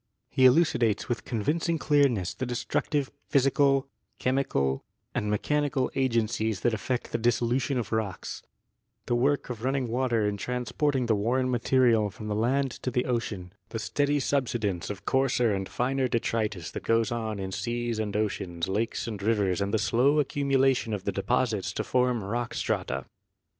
He elucidates with convinc ing clearness the destructive physical, chemical and me chanical agencies that effect the dissolution of rocks, the work of running water in transporting the worn material from the land to the ocean, the steady subsidence of coarser and finer detritus that goes on in seas and oceans, lakes and rivers and the slow accumulation of the deposits to form rock strata.